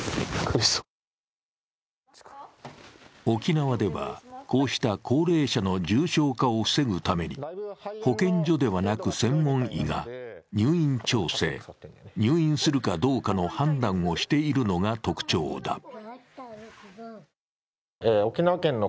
沖縄では、こうした高齢者の重症化を防ぐために保健所ではなく、専門医が入院調整、入院するかどうかの判断をしているのが特徴だ。